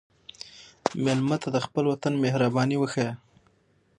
مېلمه ته د خپل وطن مهرباني وښیه.